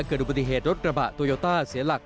เกิดอุบัติเหตุรถกระบะโตโยต้าเสียหลัก